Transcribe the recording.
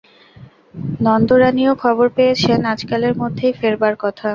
নন্দরানীও খবর পেয়েছেন আজকালের মধ্যেই ফেরবার কথা।